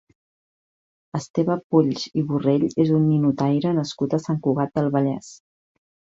Esteve Polls i Borrell és un ninotaire nascut a Sant Cugat del Vallès.